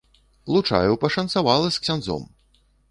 Лучаю пашанцавала з ксяндзом!